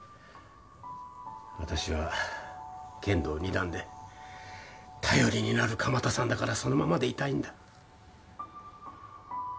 私は剣道二段で頼りになる鎌田さんだからそのままでいたいんだ。